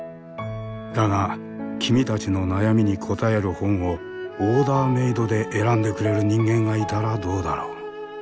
だが君たちの悩みに答える本をオーダーメードで選んでくれる人間がいたらどうだろう？